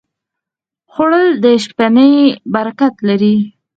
خوړل د شپهنۍ برکت لري